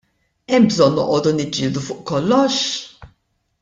Hemm bżonn noqogħdu niġġieldu fuq kollox?